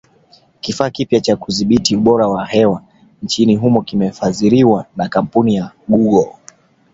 Kifaa kipya cha kudhibiti ubora wa hewa nchini humo kimefadhiliwa na kampuni ya Google